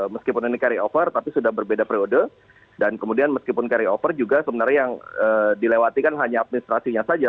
meskipun ini carry over tapi sudah berbeda periode dan kemudian meskipun carry over juga sebenarnya yang dilewati kan hanya administrasinya saja